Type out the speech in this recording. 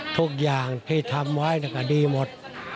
ทุกอย่างที่ทำไว้ก็ดีหมด